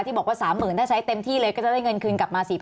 บอกว่า๓๐๐๐ถ้าใช้เต็มที่เลยก็จะได้เงินคืนกลับมา๔๐๐